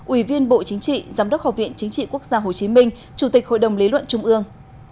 ủy viên bộ chính trị giám đốc học viện chính trị quốc gia hồ chí minh chủ tịch hội đồng lý luận trung ương